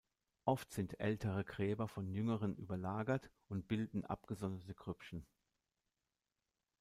Oft sind ältere Gräber von jüngeren überlagert und bilden abgesonderte Grüppchen.